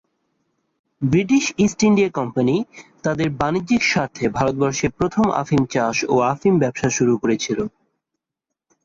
British East India Company তাদের বাণিজ্যিক স্বার্থে ভারতবর্ষে প্রথম আফিম চাষ ও আফিম ব্যবসা শুরু করেছিল।